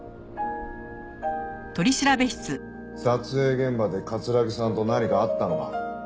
撮影現場で城さんと何かあったのか？